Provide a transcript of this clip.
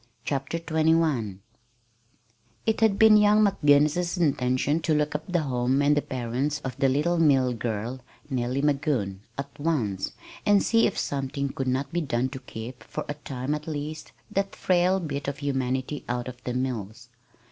CHAPTER XXI It had been young McGinnis's intention to look up the home and the parents of the little mill girl, Nellie Magoon, at once, and see if something could not be done to keep for a time, at least that frail bit of humanity out of the mills.